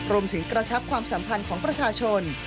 กระชับความสัมพันธ์ของประชาชน